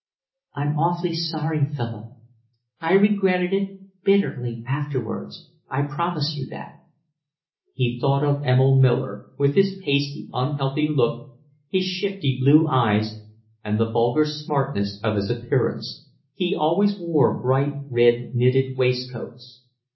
"I'm awfully sorry, Philip. I regretted it bitterly afterwards, I promise you that." He thought of Emil Miller, with his pasty, unhealthy look, his shifty blue eyes, and the vulgar smartness of his appearance; he always wore bright red knitted waistcoats.